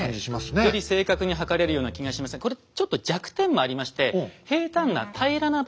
より正確に測れるような気がしますがこれちょっと弱点もありましてハハッ